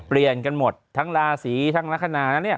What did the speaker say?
เปลี่ยนกันหมดทั้งราศีทั้งลักษณะนั้น